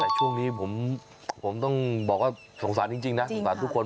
แต่ช่วงนี้ผมต้องบอกว่าสงสารจริงนะสงสารทุกคน